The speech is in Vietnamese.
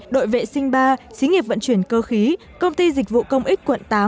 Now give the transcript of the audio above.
đội vệ sinh ba xí nghiệp vận chuyển cơ khí công ty dịch vụ công ích quận tám